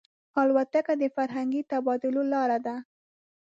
الوتکه د فرهنګي تبادلو لاره ده.